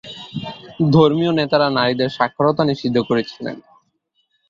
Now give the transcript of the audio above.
ধর্মীয় নেতারা নারীদের সাক্ষরতা নিষিদ্ধ করেছিলেন।